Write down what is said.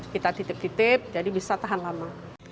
kita titip titip jadi bisa tahan lama